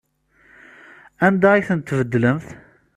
Anda ay ten-tbeddlemt?